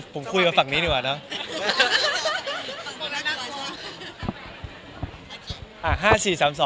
ผมคุยกับฝั่งนี้นี่ดีกว่า